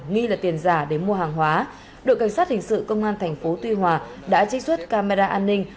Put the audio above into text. nghi là tiền giả để mua hàng hóa đội cảnh sát hình sự công an thành phố tuy hòa đã trích xuất camera an ninh